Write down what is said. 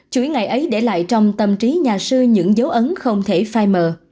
chuỗi ngày ấy để lại trong tâm trí nhà sư những dấu ấn không thể phai mờ